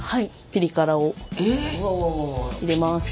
ピリ辛を入れます。